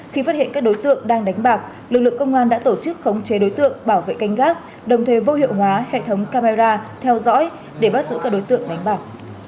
khi phát hiện các đối tượng đang đánh bạc lực lượng công an đã tổ chức khống chế đối tượng bảo vệ canh gác đồng thời vô hiệu hóa hệ thống camera theo dõi để bắt giữ các đối tượng đánh bạc